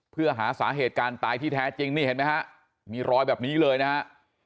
เพื่อหาสาเหตุการณ์ตายที่แท้จริงนี่เห็นไหมฮะมีรอยแบบนี้เลยนะฮะ